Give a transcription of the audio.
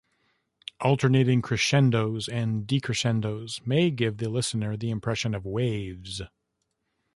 Alternating crescendos and decrescendos may give the listener the impression of waves.